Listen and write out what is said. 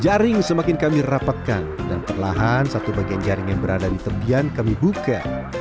jaring semakin kami rapatkan dan perlahan satu bagian jaring yang berada di tebian kami buka